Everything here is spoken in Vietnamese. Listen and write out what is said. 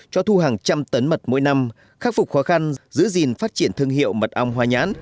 cho thu hàng trăm tấn mật mỗi năm khắc phục khó khăn giữ gìn phát triển thương hiệu mật ong hoa nhãn